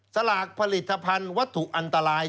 สลากผลิตภัณฑ์วัตถุอันตราย